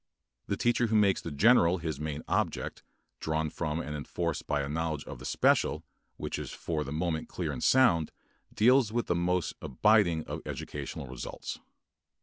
The teacher who makes the general his main object, drawn from and enforced by a knowledge of the special which is for the moment clear and sound, deals with the most abiding of educational results.